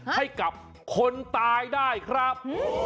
ให้กับคนตายได้ครับ